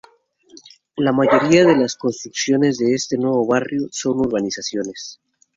La mayoría de las construcciones de este nuevo barrio son urbanizaciones.